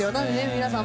皆さん